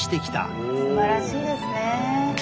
すばらしいですね。